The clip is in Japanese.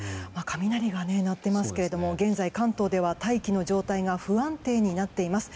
雷が鳴っていますけど現在、関東では大気の状態が不安定になっています。